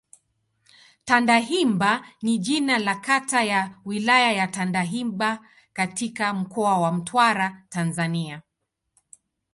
Tandahimba ni jina la kata ya Wilaya ya Tandahimba katika Mkoa wa Mtwara, Tanzania.